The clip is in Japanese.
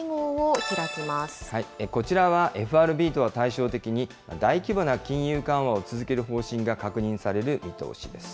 こちらは、ＦＲＢとは対照的に、大規模な金融緩和を続ける方針が確認される見通しです。